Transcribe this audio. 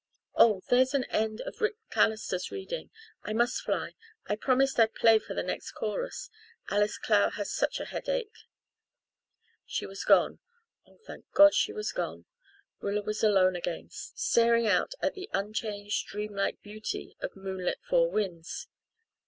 Oh, there's an end of Rick MacAllister's reading. I must fly. I promised I'd play for the next chorus Alice Clow has such a headache." She was gone oh, thank God, she was gone! Rilla was alone again, staring out at the unchanged, dream like beauty of moonlit Four Winds.